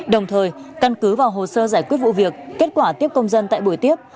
đồng thời căn cứ vào hồ sơ giải quyết vụ việc kết quả tiếp công dân tại buổi tiếp